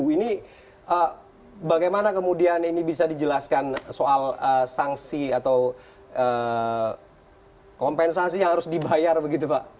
ini bagaimana kemudian ini bisa dijelaskan soal sanksi atau kompensasi yang harus dibayar begitu pak